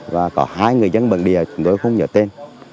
và có hai người dân bản địa chúng tôi không nhớ tên